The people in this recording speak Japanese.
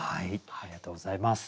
ありがとうございます。